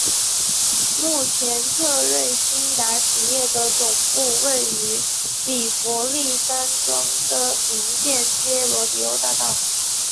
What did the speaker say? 目前特瑞新达企业的总部位于比佛利山庄的名店街罗迪欧大道。